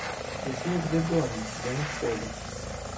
Пішли к Дидоні до господи